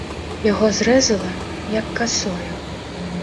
Яго зрэзала, як касою.